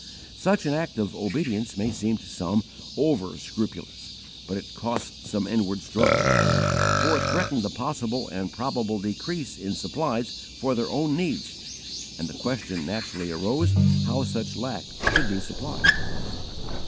Such an act of obedience may seem to some, over scrupulous, but it cost some inward struggles, for it threatened a possible and probable decrease in supplies for their own needs, and the question naturally arose how such lack should be supplied.